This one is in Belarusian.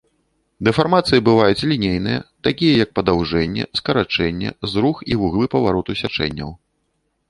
Дэфармацыі бываюць лінейныя, такія як падаўжэнне, скарачэнне, зрух і вуглы павароту сячэнняў.